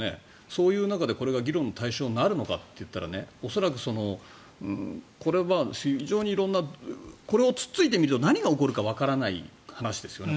そういう中でこれが議論の対象になるのかといったら恐らくこれは非常に色んなこれをつついてみると何が起こるかわからない話ですよね